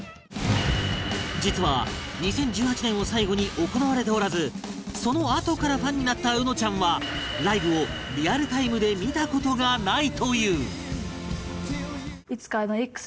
実は２０１８年を最後に行われておらずそのあとからファンになったうのちゃんはライブをリアルタイムで見た事がないという